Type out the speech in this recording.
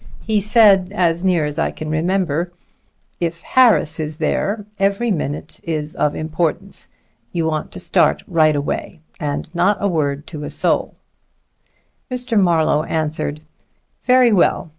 He said, as near as I can remember: 'If Harris is there, every minute is of importance. You want to start right away. And not a word to a soul.' Mr. Marlowe answered: 'Very well.